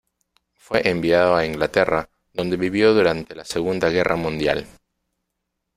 Fue enviado a Inglaterra, donde vivió durante la segunda guerra mundial.